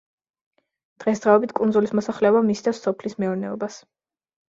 დღესდღეობით კუნძულის მოსახლეობა მისდევს სოფლის მეურნეობას.